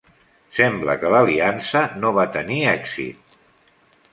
Sembla que l'aliança no va tenir èxit.